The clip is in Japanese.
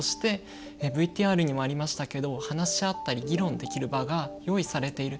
ＶＴＲにもありましたけど話し合ったり議論できる場が用意されている